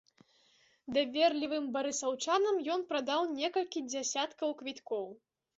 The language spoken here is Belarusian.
Даверлівым барысаўчанам ён прадаў некалькі дзясяткаў квіткоў.